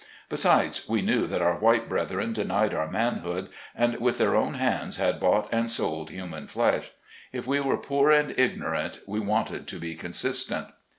Besides, we knew that our white brethren denied our manhood, and with their own hands had bought and sold human flesh. If we were poor and ignorant we wanted to be consistent.